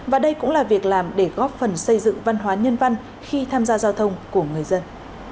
và đây cũng là việc làm để góp phần xây dựng văn hóa nhân văn khi tham gia giao thông của người dân